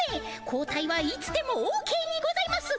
交代はいつでもオーケーにございます。